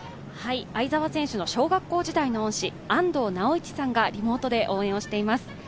相澤選手の小学校時代の恩師、安藤直一さんがリモートで応援しています。